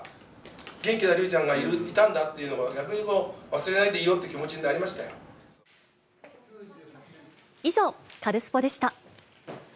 元気な竜ちゃんがいたんだという、逆にこう、忘れないでいようって以上、カルスポっ！でした。